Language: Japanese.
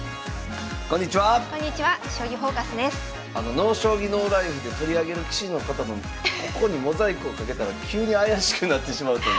「ＮＯ将棋ＮＯＬＩＦＥ」で取り上げる棋士の方のここにモザイクをかけたら急に怪しくなってしまうという。